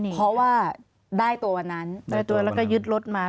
ลูกสาวบอกแล้วก็ร้องไห้